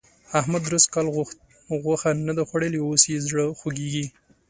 احمد درست کال غوښه نه ده خوړلې؛ اوس يې زړه خوږېږي.